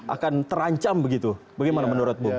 akan terancam begitu bagaimana menurut bung